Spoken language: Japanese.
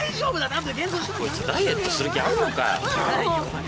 こいつダイエットする気あんのかよ。